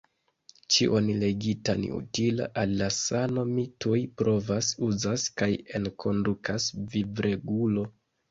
Ĉion legitan utila al la sano mi tuj provas-uzas kaj enkondukas vivregulo.